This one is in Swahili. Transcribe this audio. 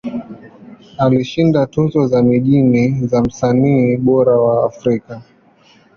Alishinda tuzo za mijini za Msanii Bora wa Afrika.